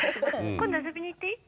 ☎今度遊びに行っていい？